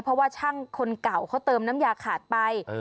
เพราะว่าช่างคนเก่าเขาเติมน้ำยาขาดไป